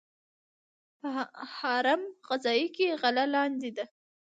هرم غذایی کې غله لاندې ده.